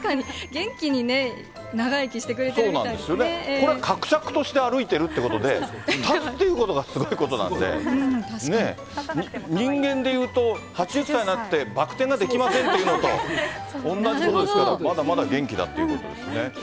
元気にね、これ、かくしゃくとして歩いてるってことで、立つっていうことがすごいことなんで、ねえ、人間で言うと８０歳になってバク転ができませんっていうのと同じことですから、まだまだ元気だということですね。